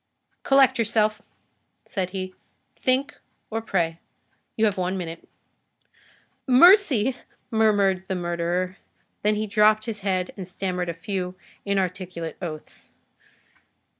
"Collect yourself," said he. "Think or pray. You have one minute." "Mercy!" murmured the murderer; then he dropped his head and stammered a few inarticulate oaths.